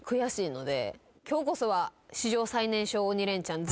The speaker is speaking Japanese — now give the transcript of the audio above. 今日こそは。